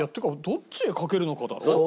どっちへかけるのか。